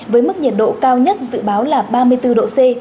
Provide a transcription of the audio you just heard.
với mức nhiệt độ cao nhất dự báo là ba mươi bốn độ c